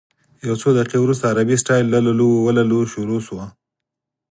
یو څو دقیقې وروسته عربي سټایل لللووللوو شروع شوه.